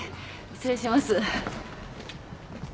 失礼します。